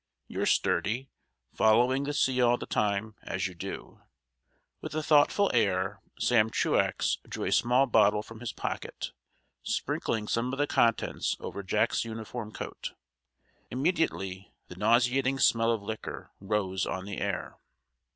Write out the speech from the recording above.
You're sturdy, following the sea all the time, as you do." With a thoughtful air Sam Truax drew a small bottle from his pocket, sprinkling some of the contents over Jack's uniform coat. Immediately the nauseating smell of liquor rose on the air.